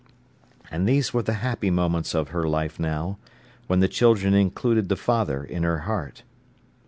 And these were the happy moments of her life now, when the children included the father in her heart.